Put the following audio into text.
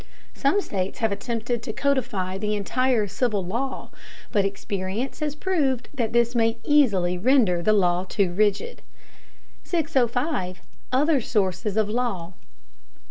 Some states have attempted to codify the entire civil law, but experience has proved that this may easily render the law too rigid. 605. OTHER SOURCES OF LAW.